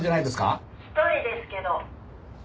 「１人ですけど」